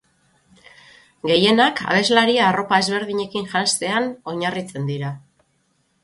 Gehienak, abeslaria arropa ezberdinekin janztean oinarritzen dira.